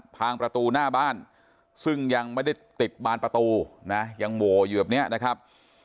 ทางประตูหน้าบ้านซึ่งยังไม่ได้ติดบานประตูนะยังโหวอยู่แบบนี้นะครับ